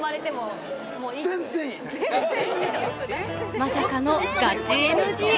まさかのガチＮＧ。